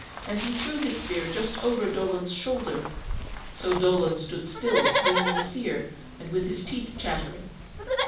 and he threw his spear just over Dolon's shoulder. So Dolon stood still, green with fear, and with his teeth chattering.